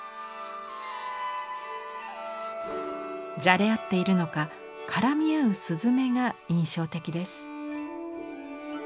じゃれ合っているのか絡み合う雀が印象的です。